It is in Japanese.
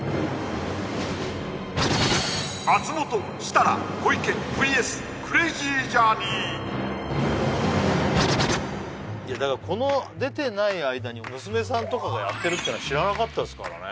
松本設楽小池ＶＳクレイジージャーニーいやだからこの出てない間に娘さんとかがやってるっていうの知らなかったですからね